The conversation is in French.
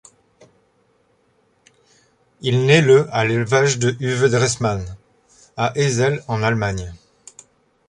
Il naît le à l'élevage de Uwe Dresmann, à Hesel en Allemagne.